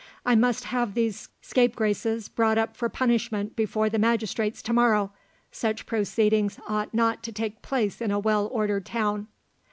"I must have these scapegraces brought up for punishment before the magistrates to morrow; such proceedings ought not to take place in a well ordered town."